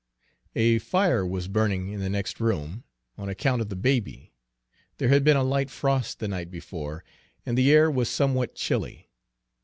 A fire was burning in the next room, on account of the baby, there had been a light frost the night before, and the air was somewhat chilly.